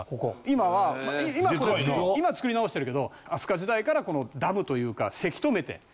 今は今はこれ今は造り直してるけど飛鳥時代からダムというかせき止めて。